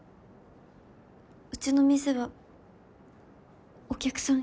うちの店はお客さん